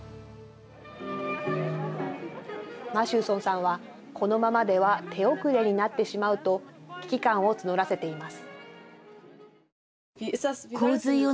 マシューソンさんはこのままでは手遅れになってしまうと危機感を募らせています。